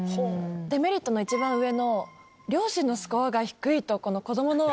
デメリットの一番上の両親のスコアが低いと子供の。